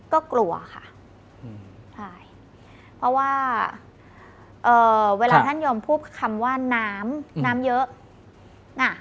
ก็กลัวค่ะเพราะว่าเวลาท่านยมพูดคำว่าน้ำน้ำเยอะ